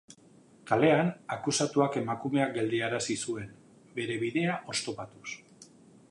Kalean, akusatuak emakumea geldiarazi zuen, bere bidea oztopatuz.